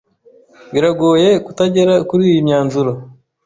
Biragoye kutagera kuriyi myanzuro.